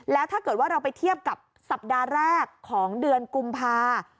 แล้วถ้าเกิดว่าเราไปเทียบกับสัปดาห์แรกของเดือนกุมภา